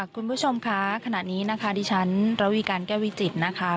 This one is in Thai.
คุณผู้ชมคะขณะนี้นะคะดิฉันระวีการแก้ววิจิตรนะคะ